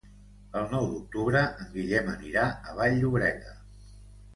El nou d'octubre en Guillem anirà a Vall-llobrega.